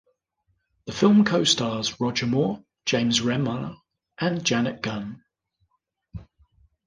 The film co-stars Roger Moore, James Remar and Janet Gunn.